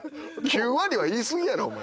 ９割は言い過ぎやろお前。